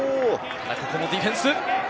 ここもディフェンス。